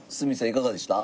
いかがでした？